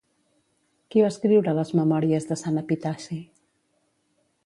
Qui va escriure les memòries de Sant Epitaci?